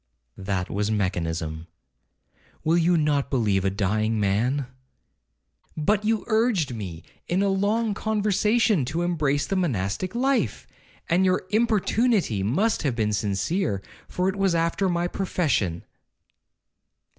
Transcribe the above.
'That was mechanism—will you not believe a dying man?' 'But you urged me, in a long conversation, to embrace the monastic life: and your importunity must have been sincere, for it was after my profession.'